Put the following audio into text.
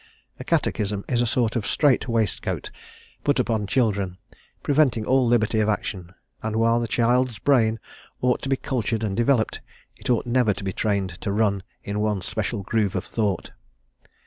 A catechism is a sort of strait waistcoat put upon children, preventing all liberty of action; and while the child's brain ought to be cultured and developed, it ought never to be trained to run in one special groove of thought.